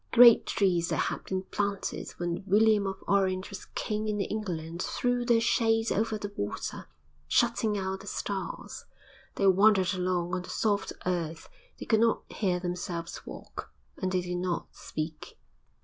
Great trees that had been planted when William of Orange was king in England threw their shade over the water, shutting out the stars. They wandered along on the soft earth, they could not hear themselves walk and they did not speak.